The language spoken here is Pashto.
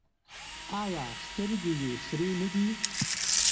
ایا سترګې یې سرې نه دي؟